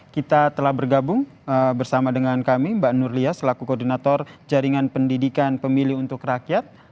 kita telah bergabung bersama dengan kami mbak nurlia selaku koordinator jaringan pendidikan pemilih untuk rakyat